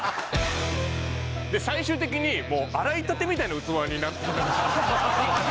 で最終的にもう洗い立てみたいな器になってるから。